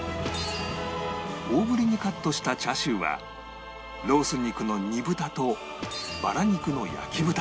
大ぶりにカットしたチャーシューはロース肉の煮豚とバラ肉の焼き豚２種類を使用